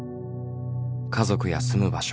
家族や住む場所